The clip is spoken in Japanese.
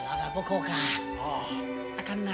あかんな。